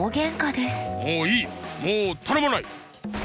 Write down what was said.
もうたのまない！